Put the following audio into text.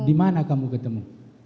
di mana kamu ketemu